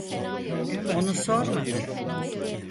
Onu sormadım.